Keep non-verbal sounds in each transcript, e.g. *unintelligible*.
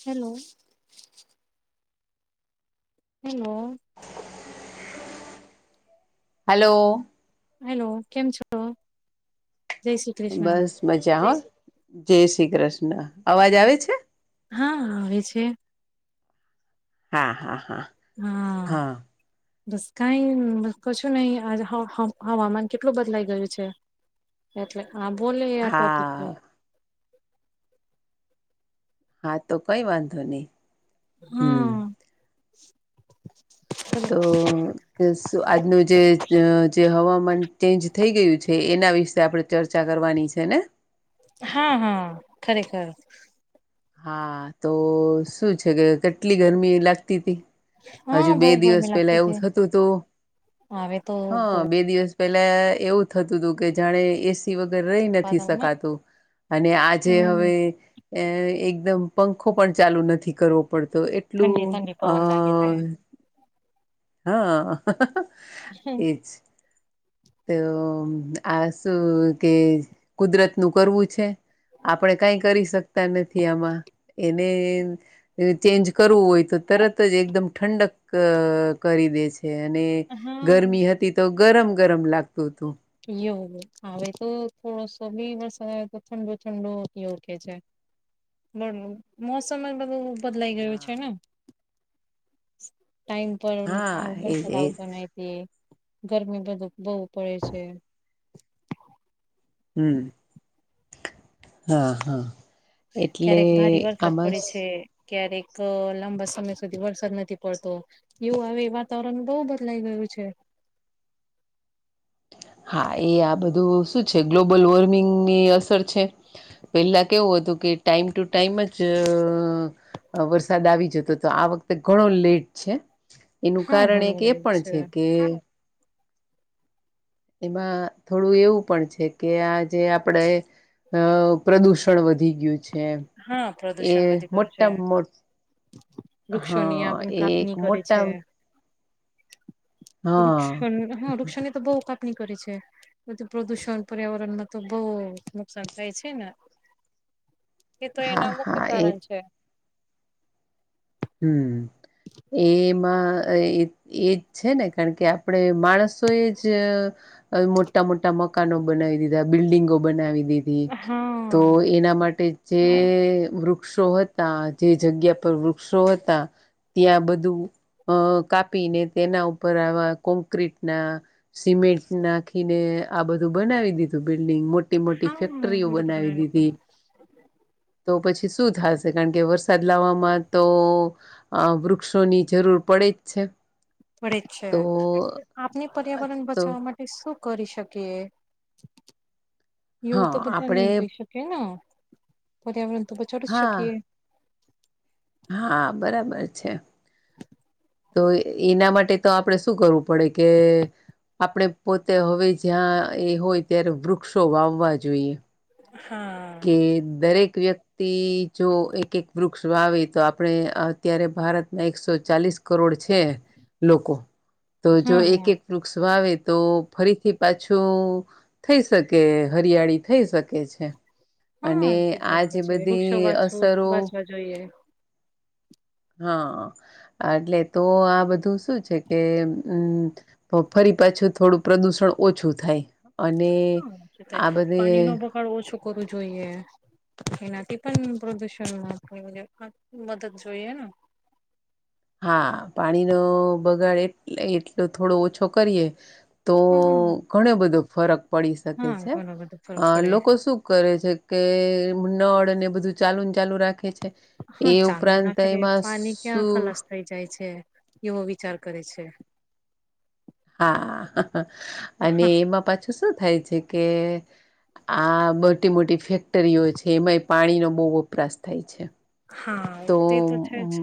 Hello. Hello hello. Hello કેમ છો. જય શ્રી કૃષ્ણ બસ મજા હો જય શ્રી કૃષ્ણ અવાજ આવે છે. હા આવે છે. હા, હા, હા, હા. બસ કંઈ બસ કશું નહી આ હવામાન કેટલું બદલાઈ ગયું છે. એટલે આ બોલી આ ટોપિક છે. હા હા તો કઈ વાંધો નહીં. હું. તો આજનું જે જે હવા મન ચેન્જ થઈ ગયું છે, એના વિશે આપણે ચર્ચા કરવાની છે, ને હા, હા, ખરેખર. હા તો શું છે, કે કેટલી ગરમી લાગતી હતી. હા હજુ બહુ બે દિવસ ગરમી પેલા લાગતી એવું હતી થતું હતું, હવે તો હ બહુ બે દિવસ. પેલા એવું થતું હતું, કે જાણે એસી વગેરે. રહી નથી વાતાવરણમાં શકાતું, અને આજે હમ હવે એકદમ પંખો પણ ચાલુ નથી કરવો. પડતો ઠંડી એટલું ઠંડી અ. પવન લાગે છે હા *unintelligible* એજ તો આ શું કે કુદરત નું કરવું છે. આપણે કંઈ કરી શકતા નથી, આમાં એમ. ચેન્જ કરવું હોય તો તરત જ એકદમ ઠંડક કરી દે છે. અને હા ગરમી હતી તો ગરમ ગરમ લાગતી. એવું હે. હવે તો થોડોસો બી વરસાદ આવે તો ઠંડો ઠંડો યોગ્ય છે. ન‌ળનુ મોસમ એ બધું બદલાઈ ગયું હા. છે, ને ટાઈમ પર હા ખર્ચ એજ ધર એજ આવતો નથી. હું ગરમી બધ બહુ પડે છે. હમ્મ. હા હા. એટલે ક્યારેક ભારે વરસાદ આમાં પડે છે. ક્યારેક લાંબા સમય સુધી વરસાદ નથી પડતો એવું હ વાતાવરણ બહુ બદલાઈ ગયું છે. હા એ આ બધું શું છે ગ્લોબલ વોર્મિંગની અસર છે પેલા કેવું. એવું હતું કે ટાઈમ ટુ ટાઈમ જ. વરસાદ આવી જતો તો આ વખતે ઘણો લેટ છે. એનું હા કારણ ઘણું એક એ બદલાયું પણ છે કે. એમાં થોડું એવું પણ છે કે આ જે આપડે. અ પ્રદુષણ વધી ગયું છે હા એ પ્રદુષણ વધી ગયું છે મોટા મોટ. વૃક્ષોની હા એક મોટા. હા વૃક્ષ હા વૃક્ષ ને તો બહુ ક. કઈ કરી છે પ્રદુષણ પર્યાવરણમાં તો બહુ નુકસાન થાય છે ને. એ તો હા એના મુખ્ય હા એ કારણ છે. અ એ એજ છે ને કારણ કે આપણે માણસો એ જ. મોટા મોટા મકાનો બનાવી દીધા બિલ્ડીિંગો બનાવી દીધી તો હા એના માટે. જે વૃક્ષો હતા જે જગ્યા પર વૃક્ષો હતા. ત્યાં બધું. અ કાપીને તેના ઉપર આવા કોંક્રીટ ના સિમેન્ટ નાખીને. આ બધું બનાવી દીધું બિલ્ડિંગ મોટી મોટી હા ફેક્ટરીઓ બનાવી દીધી. તો પછી શું થશે કારણ કે વર્ષ. સાદ લવામાં તો વૃક્ષોની જરૂર પડે જ છે. પડે છે તો આપની પર્યાવરણ તો બચાવવા માટે શું. કરી શકીએ એવું હા તો બધા આપણે નહી કહી શકે ને. પર્યાવરણ તો બ ચઢ છો હા કે. હા બરાબર છે. તો એના માટે તો આપણે શું કરવું પડે કે. આપણે પોતે હવે જ્યાં એ હોય ત્યારે વૃક્ષો વાવવા જોઈએ. હા કે દરેક. વ્યક્તિ જો એક એક વૃક્ષ વાવે તો આપણે અત્યારે ભારતમાં એકસો ચાલીસ. કરોડ છે લોકો તો જો હા એક હા એક વૃક્ષ વાવે. તો ફરીથી પાછું થઈ શકે હરિયાળી થઈ શકે છે. હા અને તે આ બરાબર જે છે વૃક્ષો બધી વાચવું અસરો. વાંચવા જોઈએ હા એટલે તો આ બધું શું છે કે હમ તોફરી. પાછું થોડું પ્રદુષણ ઓછું થાય. અને હા આ બધે પાણી નો બગાડ ઓછો કરવો જોઈએ એનાથી. પણ પ્રદુષણમાં આપ મદદ જોઈએ. હા પાણીનો બગાડ એટલે એટલો થોડો ઓછો કરીએ. તો હમ ઘણો બધો ફરક. પડી શકે હા છે ઘણો બધો ફરક અ પડે લોકો શું કરે છે કે. નળ અને બધું ચાલુ ચાલુ રાખે છે હા એ ચાલુ ઉપરાંત નાખે એમાં પાણી ક્યાં શું. ખલાસ થઈ જાય છે એવો વિચાર કરે છે. હા અને હા એમાં પાછું શું થાય છે કે. આ મોટી મોટી ફેક્ટરીઓ છે એમાંય પાણીનો બહુ વપરાશ થાય છે. હા તે તો છે જ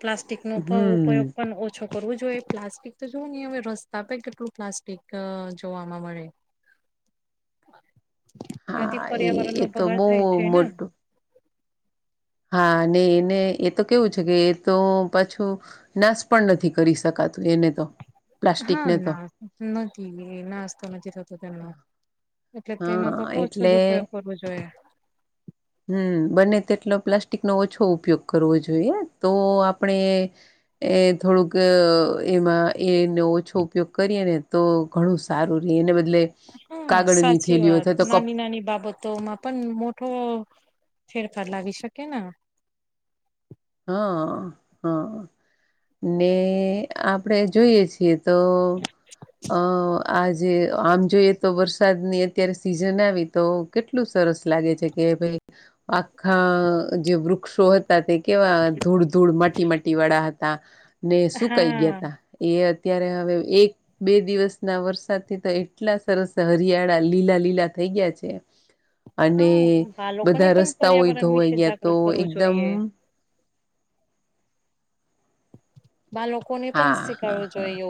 પ્લાસ્ટિક નો ઉપયોગ હમ પણ ઓછો. કરવું જોઈએ પ્લાસ્ટિક તો જોવું નહી હવે રસ્તા પરે કેટલું પ્લાસ્ટિક જોવા માં મળે. *inaudible* આથી હા એ પર્યાવરણનો એ તો બગાડ બહુ થાય છે ને. મોટું હા એને એ તો કેવું છે, કે એ તો પાછું નાશ પણ નથી કરી શકાતું. એને તો હા, પ્લાસ્ટિકને તો ના નથી નાસ્તો નથી, થતો તેમનો એટલે તેનો તો હા ઓછો જ ઉપયોગ કરવો જોઈએ. હું બને તેટલો પ્લાસ્ટિકનો ઓછો ઉપયોગ કરવો જોઈએ, તો આપણે. એ થોડુંક એમાં એનો ઓછો ઉપયોગ કરીએ ને તો ઘણું સારું રે એને બધું. હા સાચી વાત કપ નાની નાની બાબતો માં પણ મોટો ફેરફાર લાવી શકેને. હ, હ. ને આપણેે જોઈએ છીએ તો, અ આજે આમ જોઈએ તો વરસાદની અત્યારે સીઝન આવી તો કેટલું સરસ. સરસ લાગે છે, કે ભય આખા જે વૃક્ષો હતા તે કેવા ધૂળ ધૂળ માટી માટી વાળા હતા ને શું કઈ ગયા હા હતા, એ ત્યારે હવે એક બે દિવસના વરસાદથી તો એટલા સરસ હરિયાળા લીલા લીલા થઈ. થઈ ગયા છે. અને હા બાળકોને બધા પણ રસ્તાઓય પર્યાવરણ ધોવા વિશે ગયા તો જાગૃત કરવું એકદમ જોઈએ બાળકોને પણ હા હા શીખડવો હા જોઈએ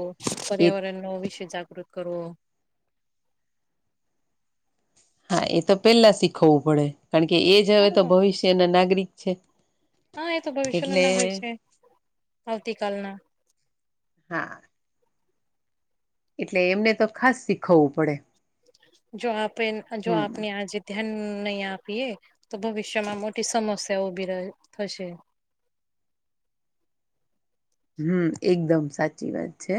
એ પર્યાવરણ નો વિશે જાગૃતિ ઉપયોગ કરવો. હા એ તો પેલા શીખવવું પડે કારણ કે એ જ હવે તો હા ભવિષ્યના નાગરિક છે. હા એ તો ભવિષ્ય ન એટલે નાગરિક છે, આવતીકાલના હા એટલે એમને તો ખાસ શીખવવું પડે. જો આપે જો આપને હમ આજે ધ્યાન નહી આપીએ તો ભવિષ્યમાં મોટી સમસ્યા ઉભી થશે. *inaudible* હું એકદમ સાચી વાત છે.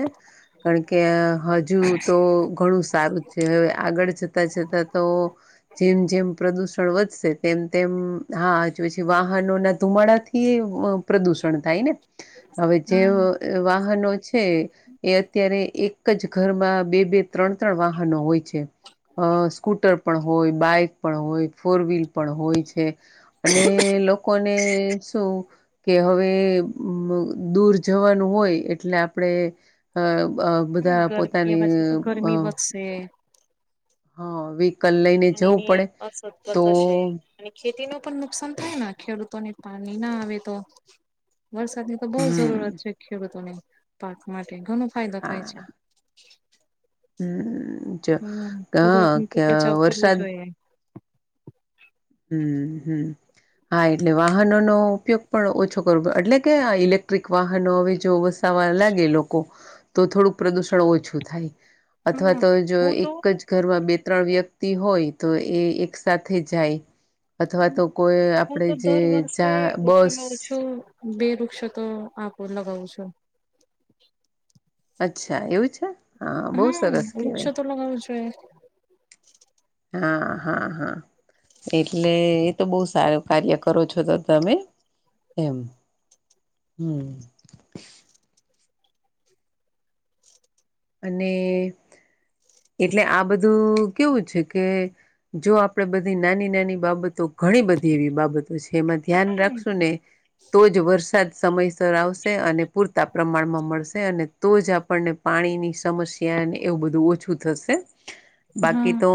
કારણ કે હજુ તો ઘણું સારું છે, હવે આગળ જતા જતા તો જેમ જેમ પ્રદુષણ વધશે તેમ તેમ હા જોય છે વાહનો ના ધુમાડા થી પ્રદુષણ થાય ને. હવે હા જે વાહનો છે, એ અત્યારે એક એક જ ઘરમાં બે બે ત્રણ ત્રણ વાહનો હોય છે, અ સ્કૂટર પણ હોય બાઈક પણ હોય ફોર વ્હીલ પણ હોય છે, અને લોકોને શું કે હવે દૂર જવાનું હોય એટલે આપણેે બધા પોતાની વકશે. હા વહિકલ લઈને જવું પડે અસત્વ તો, થશે અને ખેતી ન પણ નુકસાન થાય, ખેડૂતોને પાણી ના આવે તો. વરસાદની તો બહુ હમ જરૂરત છે, ખેડૂતોને પાક માટે ઘણો ફાયદો થાય છે. હા હમ હું કુદરત ની તો હ ખચાવ કરવું જોઈએ. હું હું હા એટલે વાહનોનો ઉપયોગ પણ ઓછો કરવો એટલે કે ઇલેક્ટ્રિક વાહનો હવે જો વસાવા લાગે લોકો તો થોડુંક પ્રદુષણ ઓછું થાય અથવા હા તો જો હું તો એક જ ઘરમાં બે ત્રણ વ્યક્તિ હોય તો એ એક સાથેથે જાય. અથવા તો કોઈ હું આપણે તો જે દર વર્ષે જ્યાં બસ ઓછામાં ઓછું બે વૃક્ષ તો આપું લગાવું છું. અચ્છા એવું છે, હા બહુ સરસ વૃક્ષો કહેવાય. તો લગાવું જોઈએ હા, હા, હા. એટલે એ તો બહુ સારું કાર્ય કરો છો, તો તમે એમ. હું અને, એટલે આ બધું કેવું છે, કે જો આપણેે બધી નાની નાની બાબતો. ઘણી બધી એવી બાબતો છે એમાં ધ્યાન રાખશું ને. તો જ વરસાદ સમયસર આવશે અને પૂરતા પ્રમાણમાં મળશે. અને તો જ આપણને પાણીની સમસ્યા એવું બધું ઓછું થશે. બાકી હા તો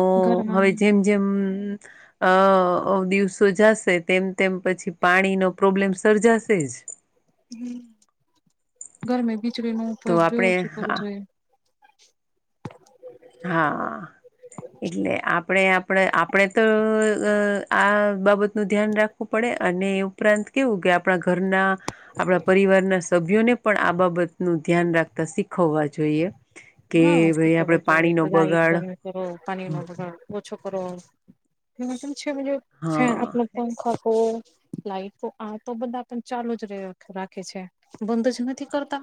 હવે ઘરમાં જેમ જેમ. અ દિવસો જાશે તેમ તેમ પછી પાણી નો પ્રોબ્લેમ સર્જાશે. *inaudible* હ ગરમે વીજળીનોો તો ઉપયોગ બ આપણે ઓછું કરવો હા જોઈએ. *unintelligible* *inaudible* હા એટલે આપણેે. પણ આપણે, તો આ બાબતનું ધ્યાન રાખવું પડે અને એ ઉપરાંત કેવું કે આપણા, ઘરના આપણા પરિવારના સભ્યોને પણ આ બાબતનું ધ્યાન રાખતા શીખવવા છે. જોઈએ, કે હા ભાઈ આપડે પાણી નો બગાડ પાણીન ઓછો, કરો. હા અછી, મુ પંખા કો. લાઈટ, તો આ તો બધા પણ ચાલુ જ રાખે છે. બંધ જ નથી કરતા.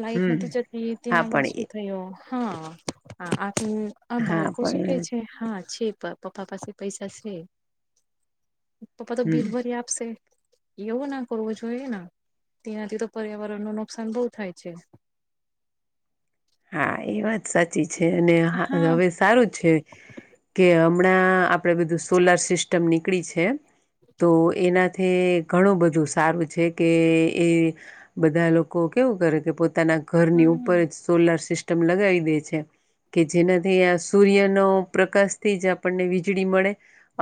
લાઈટ હમ નથી, જતી હા તેનામાં પણ શું એ થું હા. હમ, આ હા બાળકો શું કે પણ છે, હા છે. પપ્પા પાસે પૈસા છે પપ્પા તો હમ બિલ ભરી આપશે. એવું ના કરવો જોઈએ તનાથી તો પર્યાવરણ નું નુકસાન બહુ થાય. *unintelligible* હા એ વાત સાચી છે અને હા હવે સારું છે કે. હમણાં આપડે બધું સોલાર સિસ્ટમ નીકળી છે તો એના. ઘણું બધું સારું છે કે એ બધા લોકો કેવું કરે કે પોતે. પોતાના ઘરની ઉપર હા જ સોલાર સિસ્ટમ લગાવી દે છે. કે જેનાથી આ સૂર્યનો પ્રકાશથી જ આપણને વીજળી મળે.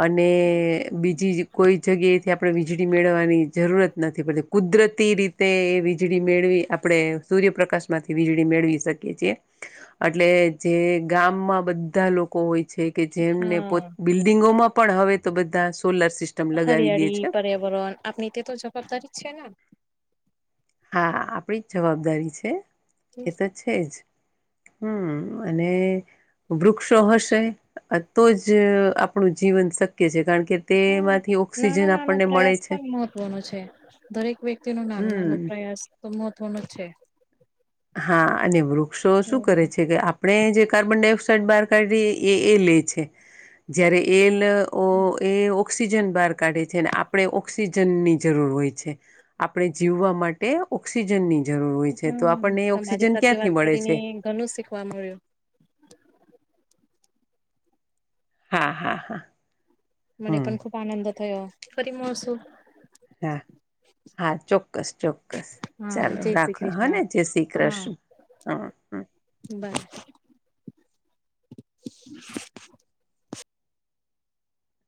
અને બીજી કોઈ જગ્યાએથી આપણે વીજળી મેળવવાની જરૂરત. નથી પડતી કુદરતી રીતે એ વીજળી મેળવી આપણે સૂર્યપ્રકાશ માંથી વીજળી મેળવી. એટલે જે ગામમાં બધા લોકો હોય. છે, કે જેમને પો હા બિલ્ડિંગોમાં પણ હવે તો બધા સોલાર સિસ્ટમ લગાવી દે હરિયાળી છે પર્યાવરણ આપણી તે તો જવાબદારી જ છેને. હા, આપડી જ જવાબદારી છે. એ તો છેજ. હમ, અને વૃક્ષો, હશે તો જ આપણું જીવન શક્ય છે. કારણ કે હ તેમાંથી ઓક્સિજન નાનો-નાનો આપણને મળે પ્રયાસ છે પણ મહત્વનો છે. દરેક વ્યક્તિ નુના નાનોુ હમ પ્રયાસ, તો મહત્ત્વનું છે. હા, અને વૃક્ષો શું કરે છે. કે આપણે જે કાર્બન ડાયોક્સા શટ બાર કાઢ એ એ લે છે. જયારે એ ઓક્સિજન બહાર કાઢે છે, આપણે ઓક્સિજન ની જરૂર હોય છે. આપણે જીવવા માટે ઓઑક્સિજન ની જરૂર હોય હ છે. તો આપ તમારી સાથે, વાત કરીને ઘણું શીખવા મળ્યુ હા-હા-હા. મને પણ ખુબ આનંદ થયો, ફરી મસુ હા હા, ચોક્કસ ચોક્કસ હા ચાલો જય શ્રી રાખો હ કૃષ્ણ જય શ્રી હા કૃષ્ણ હા, હમ બાય